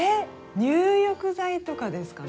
入浴剤とかですかね？